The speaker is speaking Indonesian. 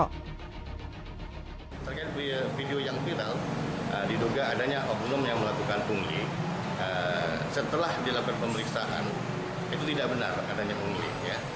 terkait video yang viral diduga adanya oknum yang melakukan pungli setelah dilakukan pemeriksaan itu tidak benar adanya pungli